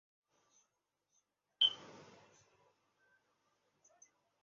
许多政策分析把识字率作为对一个区域的人力资本价值的关键性衡量标准。